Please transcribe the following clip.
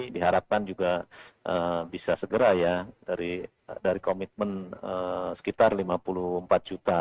diharapkan juga bisa segera ya dari komitmen sekitar lima puluh empat juta